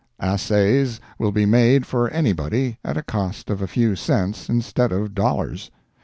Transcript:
Assays will be made for anybody, at a cost of a few cents, instead of dollars.